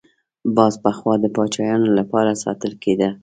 باز پخوا د پاچایانو لپاره ساتل کېده